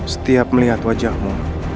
setiap melihat wajahmu